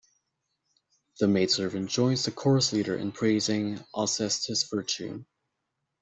The maidservant joins the chorus-leader in praising Alcestis' virtue.